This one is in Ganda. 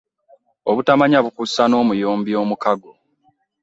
Obutamanya bukussa n'omuyombi omukago .